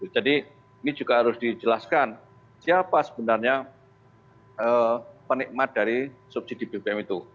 jadi ini juga harus dijelaskan siapa sebenarnya penikmat dari subsidi bbm itu